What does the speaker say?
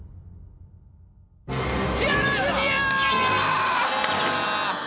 千原ジュニア！